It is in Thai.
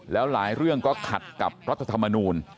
แล้วหลายเรื่องก็ขัดกับรัฐธรรมนูล